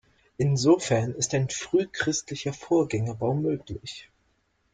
Insofern ist ein frühchristlicher Vorgängerbau möglich.